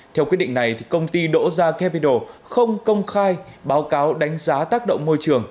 theo quyết định này công ty doja capital không công khai báo cáo đánh giá tác động môi trường